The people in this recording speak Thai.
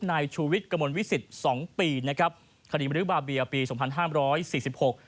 นายชูวิทย์กระมวลวิสิตสองปีนะครับคดีมรื้อบาเบียปีสองพันห้ามร้อยสี่สิบหก